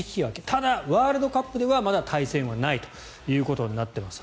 ただ、ワールドカップではまだ対戦はないということになっています。